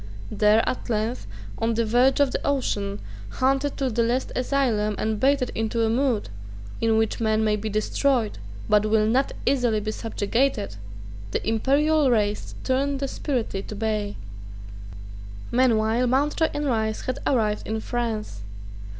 There, at length, on the verge of the ocean, hunted to the last asylum, and baited into a mood in which men may be destroyed, but will not easily be subjugated, the imperial race turned desperately to bay, Meanwhile Mountjoy and Rice had arrived in France.